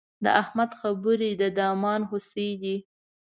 د احمد خبرې د دامان هوسۍ دي.